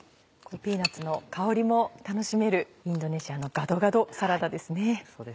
ピーナッツの香りも楽しめるインドネシアのガドガドサラダです。